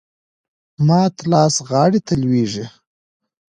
مات لاس غاړي ته لویږي .